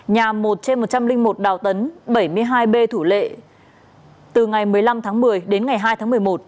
nhà một trên một trăm linh một đào tấn bảy mươi hai b thủ lệ từ ngày một mươi năm tháng một mươi đến ngày hai tháng một mươi một